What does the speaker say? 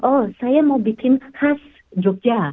oh saya mau bikin khas jogja